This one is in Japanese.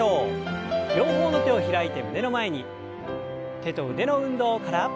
手と腕の運動から。